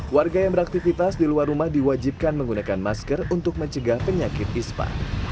warga yang beraktivitas di luar rumah diwajibkan menggunakan masker untuk mencegah penyakit ispa